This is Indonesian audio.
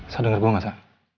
saya dengar gua gak saya